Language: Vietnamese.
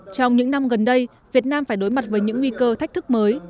trong những năm gần đây việt nam phải đối mặt với những nguy cơ thách thức mới